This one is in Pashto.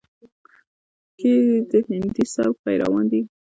کې د هندي سبک پېروان دي،